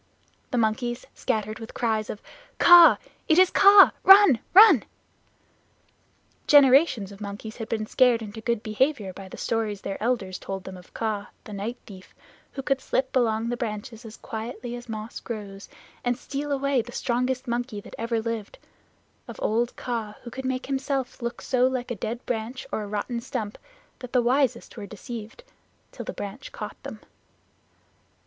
The monkeys scattered with cries of "Kaa! It is Kaa! Run! Run!" Generations of monkeys had been scared into good behavior by the stories their elders told them of Kaa, the night thief, who could slip along the branches as quietly as moss grows, and steal away the strongest monkey that ever lived; of old Kaa, who could make himself look so like a dead branch or a rotten stump that the wisest were deceived, till the branch caught them.